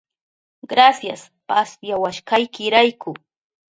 Grasias pasyawashkaykirayku.